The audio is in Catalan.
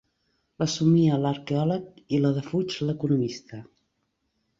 La somia l'arqueòleg i la defuig l'economista.